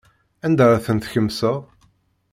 Anda ay ten-tkemseḍ?